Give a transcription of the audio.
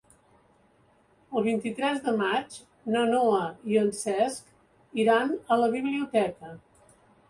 El vint-i-tres de maig na Noa i en Cesc iran a la biblioteca.